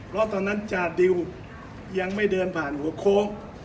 เพราะตอนนั้นจาดิวยังไม่เดินผ่านหัวโค้ง